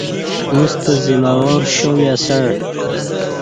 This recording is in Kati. ییݩستہ زمہ وار شا می اسݩع